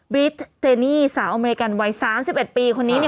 เจนี่สาวอเมริกันวัย๓๑ปีคนนี้